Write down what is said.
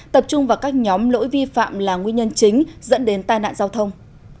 tập trung vào các nhóm lỗi vi phạm là nguyên nhân chính dẫn đến tai nạn giao thông